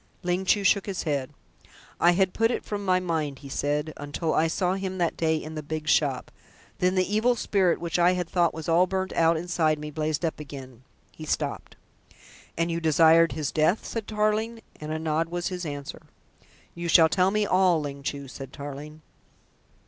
Ling Chu shook his head. "I had put it from my mind," he said, "until I saw him that day in the big shop. Then the evil spirit which I had thought was all burnt out inside me, blazed up again." He stopped. "And you desired his death?" said Tarling, and a nod was his answer. "You shall tell me all, Ling Chu," said Tarling.